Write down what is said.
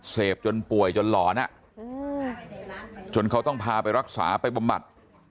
เสพจนป่วยจนหลอนจนเขาต้องพาไปรักษาไปบำบัด